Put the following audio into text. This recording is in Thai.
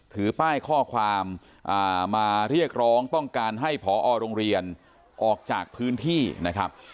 ถือป้ายข้อความมาเรียกร้องต้องการให้ผอโรงเรียนออกจากพื้นที่นะครับ